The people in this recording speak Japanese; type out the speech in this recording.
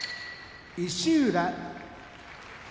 石浦